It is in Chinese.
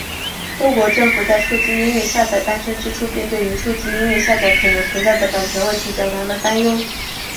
多国政府在数字音乐下载诞生之初便对于数字音乐下载可能存在的版权问题表达了担忧。